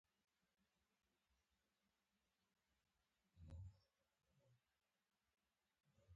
پښتو کتابونه د ګوتو په شمار وو.